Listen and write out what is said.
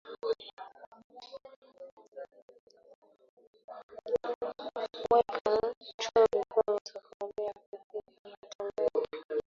weka na chumvi kwenye sufuria kupikia matembele